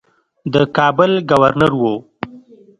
د کابل ګورنر وو.